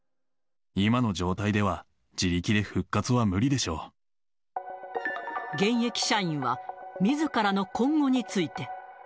今の状態では、自力で復活は無理現役社員はみずからの今後について。